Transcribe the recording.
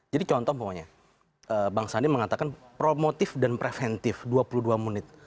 jadi contoh pokoknya bang sandi mengatakan promotif dan preventif dua puluh dua menit